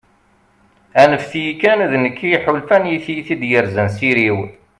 anfet-iyi kan, d nekk i yeḥulfan, i tyita i d-yerzan s iri-w